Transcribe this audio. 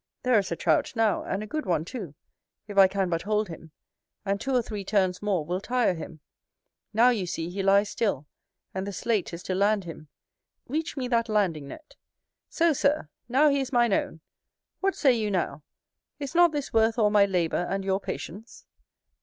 there is a Trout now, and a good one too, if I can but hold him; and two or three turns more will tire him. Now you see he lies still, and the sleight is to land him: reach me that landing net. So, Sir, now he is mine own: what say you now, is not this worth all my labour and your patience?